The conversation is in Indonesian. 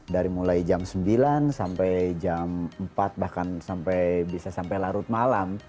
dari mulai jam sembilan sampai jam empat bahkan sampai bisa sampai larut malam